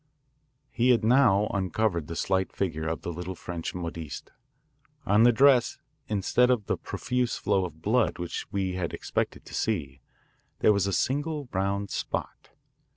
He had now uncovered the slight figure of the little French modiste. On the dress, instead of the profuse flow of blood which we had expected to see, there was a single round spot.